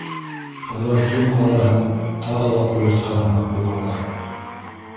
Улар төн ҡараһын тағы ла ҡуйыртҡан һымаҡ булалар.